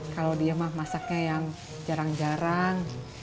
kalau dia masaknya yang jarang jarang